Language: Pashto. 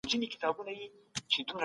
په ناحقه د نورو حقوق مه تر پښو لاندې کوئ.